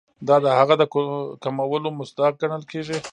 دا د هغه د کمولو مصداق ګڼل کیږي.